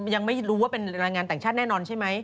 ยังไม่รู้ว่าเป็นแรงงานต่างชาติแน่นอนใช่ไหม